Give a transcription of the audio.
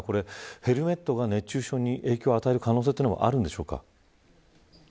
ヘルメットが熱中症に影響を与える可能性もあるんでしょうか。